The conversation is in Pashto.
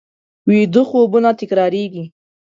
ویده خوبونه تکرارېږي